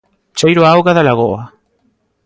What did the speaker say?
Cheiro a auga da lagoa.